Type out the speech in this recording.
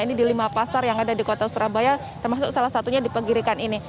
ini di lima pasar yang ada di kota surabaya termasuk salah satunya di pegirikan ini